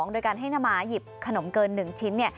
โดยการให้น้าหมาหยิบขนมเกิน๑ชิ้น